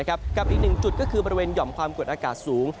กับอีกหนึ่งจุดก็คือบริเวณหย่อมความกดอากาศสูง